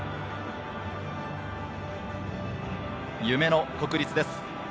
夢の国立です。